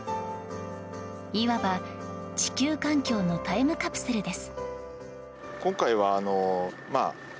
いわば地球環境のタイムカプセルです。